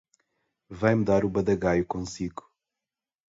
Vai-me dar o treco consigo.